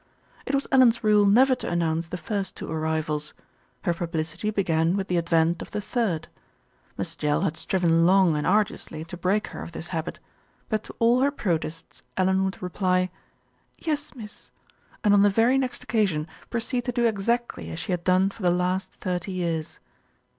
It was Ellen's rule never to announce the first two arrivals. Her publicity began with the advent of the third. Miss Jell had striven long and arduously to break her of this habit; but to all her protests Ellen would reply, "Yes, miss," and on the very next occa sion proceed to do exactly as she had done for the last thirty years.